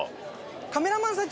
カメラマンさん